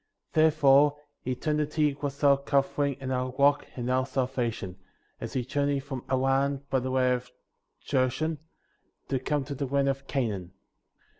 Therefore, eternity was our covering and our rock and our salvation, as we journeyed from Haran by the way of Jershon, to come to the land of Canaan.